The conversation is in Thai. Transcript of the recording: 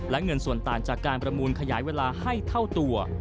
และเงินส่วนต่างจากการประมูลขยายเวลาให้เท่าตัว